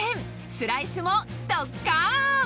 スライスもドッカン